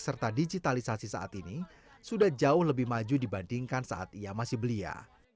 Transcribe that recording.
serta digitalisasi saat ini sudah jauh lebih maju dibandingkan saat ia masih belia